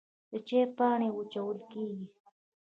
د چای پاڼې وچول کیږي